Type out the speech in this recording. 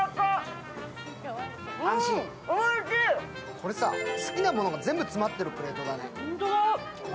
これさ、好きなものが全部詰まってるプレート。